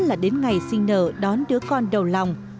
là đến ngày sinh nở đón đứa con đầu lòng